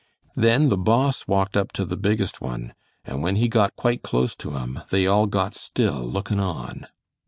Then the Boss walked up to the biggest one, and when he got quite close to 'em they all got still lookin' on.